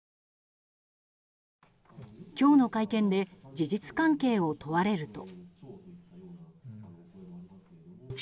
今日の会見で事実関係を問われると。